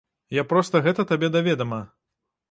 Я проста гэта табе да ведама.